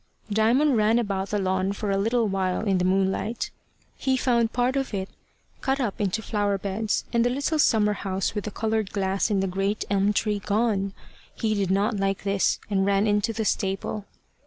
Diamond ran about the lawn for a little while in the moonlight. He found part of it cut up into flower beds, and the little summer house with the coloured glass and the great elm tree gone. He did not like this, and ran into the stable.